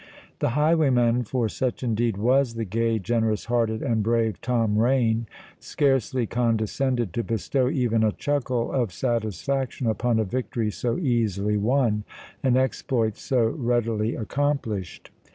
The highwayman,—for such indeed was the gay, generous hearted, and brave Tom Rain,—scarcely condescended to bestow even a chuckle of satisfaction upon a victory so easily won—an exploit so readily accomplished.